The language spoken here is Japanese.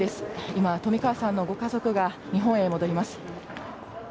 今、冨川さんのご家族が日本へ戻ります。